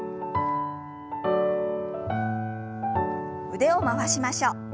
腕を回しましょう。